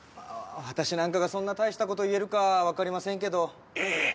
私なんかがそんな大したこと言えるか分かりませんけどいえいえいえ